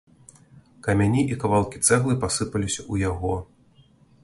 Камяні і кавалкі цэглы пасыпаліся ў яго.